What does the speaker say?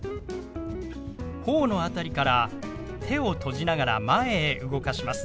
ほおの辺りから手を閉じながら前へ動かします。